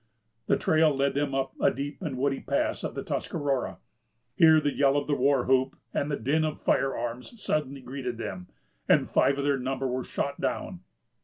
The trail led them up a deep and woody pass of the Tuscarora. Here the yell of the war whoop and the din of fire arms suddenly greeted them, and five of their number were shot down.